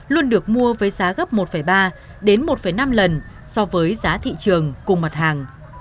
luôn được mua với giá gấp một ba đến một năm lần so với giá thị trường cùng mặt hàng